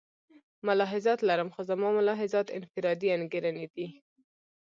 ملاحظات لرم خو زما ملاحظات انفرادي انګېرنې دي.